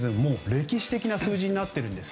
歴史的な数字になっています。